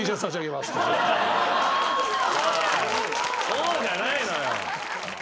「おー！」じゃないのよ。